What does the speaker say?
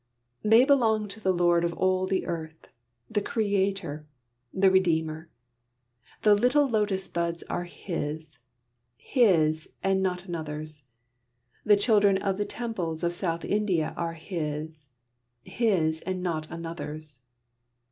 They belong to the Lord of all the earth, the Creator, the Redeemer. The little Lotus buds are His His and not another's. The children of the temples of South India are His His and not another's.